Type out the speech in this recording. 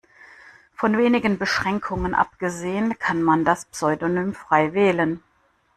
Von wenigen Beschränkungen abgesehen kann man das Pseudonym frei wählen.